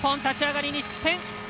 立ち上がりに失点。